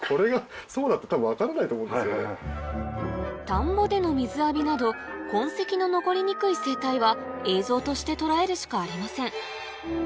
田んぼでの水浴びなど痕跡の残りにくい生態は映像として捉えるしかありません